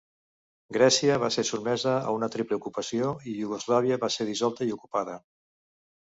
Grècia va ser sotmesa a una triple ocupació i Iugoslàvia va ser dissolta i ocupada.